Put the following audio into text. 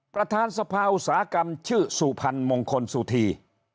ประธานสภาอุตสาหกรรมชื่อสุพรรณมงคลสุธี